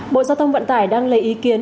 bộ giao thông vận tải đang lấy ý kiến